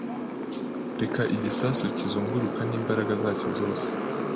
Reka igisasu kizunguruka n'imbaraga zacyo zose